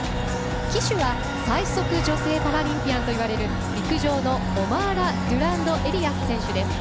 旗手は最速女性パラリンピアンといわれる陸上のオマーラ・ドゥランドエリアス選手です。